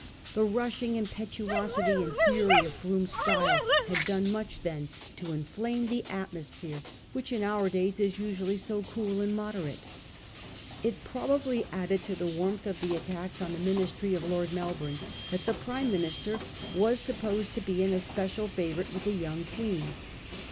The rushing impetuosity and fury of Brougham's style had done much then to inflame 1837. LORD MELBOURNE'S UNPOPULARITY. 29 the atmosphere which in our days is usually so cool and moderate. It probably added to the warmth of the attacks on the Ministry of Lord Melbourne that the Prime Minister was supposed to be an especial favourite with the young Queen.